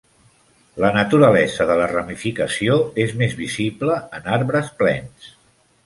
La naturalesa de la ramificació és més visible en arbres plens.